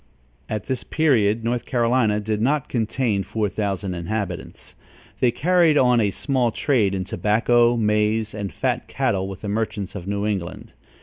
At this period, North Carolinia did not contain four thousand inhabitants. They carried on a small trade in tobacco, maize and fat cattle with the merchants of New England.